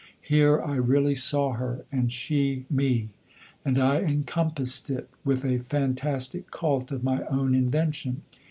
Here I really saw her, and she me;" and I encompassed it with a fantastic cult of my own invention.